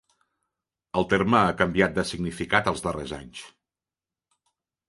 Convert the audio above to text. El terme ha canviat de significat els darrers anys.